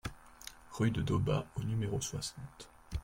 Rue de Daubas au numéro soixante